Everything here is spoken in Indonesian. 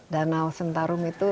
danau sentarung itu